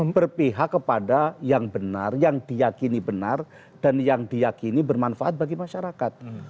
berpihak kepada yang benar yang diakini benar dan yang diakini bermanfaat bagi masyarakat